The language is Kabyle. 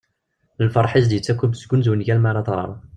Lferḥ i as-d-yettak umezgun d wungal mi ara t-tɣer.